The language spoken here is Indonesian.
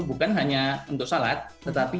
bukan hanya untuk salat tetapi